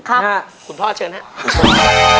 คุณพ่อเชิญครับ